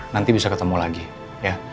nanti bisa ketemu lagi ya